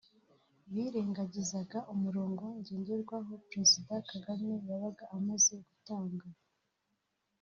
birengagizaga umurongo ngenderwaho Président Kagame yabaga amaze gutanga